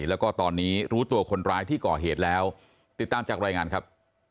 แล้วก็ตอนนี้รู้ตัวคนร้ายที่ก่อเหตุแล้วติดตามจากรายงานครับ